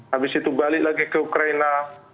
habis itu balik lagi ke ukraina